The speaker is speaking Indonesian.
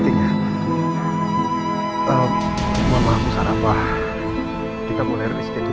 tentang berusaha masih diraki ya